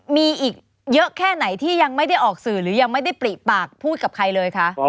มีอีกเยอะแค่ไหนที่ยังไม่ได้ออกสื่อหรือยังไม่ได้ปริปากพูดกับใครเลยคะ